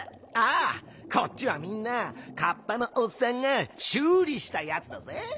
ああこっちはみんなカッパのおっさんがしゅうりしたやつだぜ。